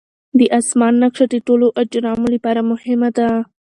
د اسمان نقشه د ټولو اجرامو لپاره مهمه ده.